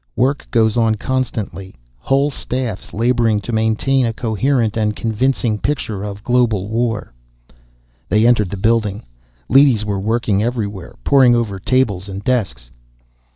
"Work goes on constantly, whole staffs laboring to maintain a coherent and convincing picture of a global war." They entered the building. Leadys were working everywhere, poring over tables and desks.